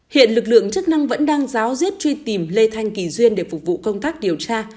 hiện lực lượng chức năng vẫn đang giáo diết truy tìm lê thanh kỳ duyên để phục vụ công tác điều tra